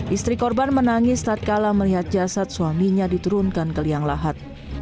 istri korban menangis saat kalah melihat jasad suaminya diturunkan ke liang lahat